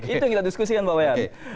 itu yang kita diskusikan pak wayar